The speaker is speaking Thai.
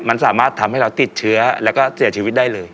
มันสามารถทำให้เราติดเชื้อแล้วก็เสียชีวิตได้เลย